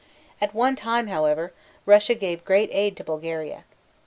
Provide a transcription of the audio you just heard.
At one time, however, Russia gave great aid to Bulgaria.